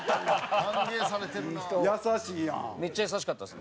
伊藤：めっちゃ優しかったです。